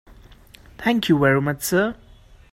Thank you very much, sir.